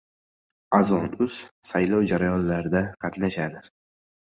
Azon.uz saylov jarayonlarida qatnashadi